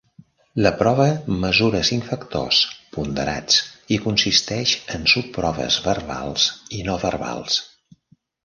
La prova mesura cinc factors ponderats i consisteix en subproves verbals i no verbals.